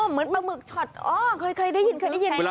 อ๋อเหมือนปะหมึกชอตอ๋อเคยได้ยิน